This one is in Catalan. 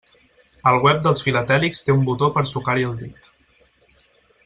El web dels filatèlics té un botó per sucar-hi el dit.